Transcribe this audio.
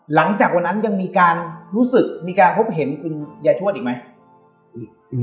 หลังจากวันนั้นยังมีการรู้สึกมีการพบเห็นคุณยายทวดอีกไหม